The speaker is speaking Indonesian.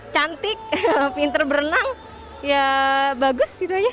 cantik pinter berenang ya bagus gitu aja